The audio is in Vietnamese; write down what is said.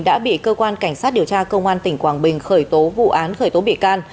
đã bị cơ quan cảnh sát điều tra công an tỉnh quảng bình khởi tố vụ án khởi tố bị can